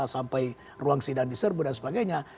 sampai ruang sidang diserbu dan sebagainya